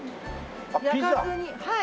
焼かずにはい。